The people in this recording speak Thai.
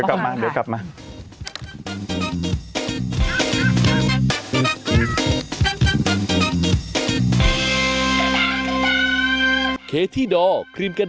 อ่าอ่าเดี๋ยวกลับมา